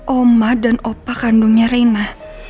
oma dan opa kandungnya reina